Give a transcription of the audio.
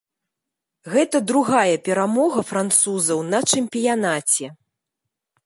Гэта другая перамога французаў на чэмпіянаце.